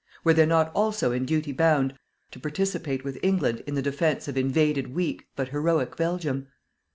Were they not also in duty bound to participate with England in the defence of invaded weak, but heroic, Belgium!